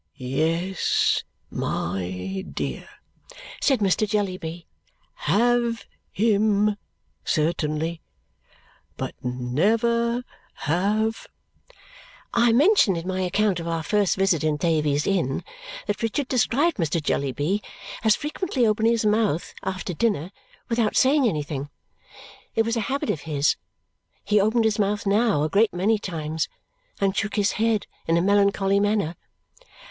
"Yes, my dear," said Mr. Jellyby. "Have him, certainly. But, never have " I mentioned in my account of our first visit in Thavies Inn that Richard described Mr. Jellyby as frequently opening his mouth after dinner without saying anything. It was a habit of his. He opened his mouth now a great many times and shook his head in a melancholy manner.